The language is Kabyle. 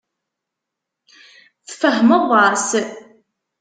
Tfehmeḍ-as?